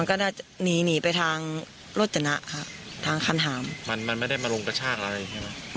ก็น่าจะหนีหนีไปทางโรจนะค่ะทางคันหามมันมันไม่ได้มาลงกระชากอะไรใช่ไหม